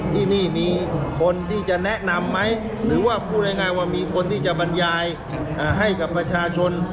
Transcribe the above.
ที่นี่มีคนที่จะแนะนำไหมหรือว่าพูดง่ายว่ามีคนที่จะบรรยายให้กับประชาชน